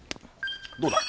どうだ？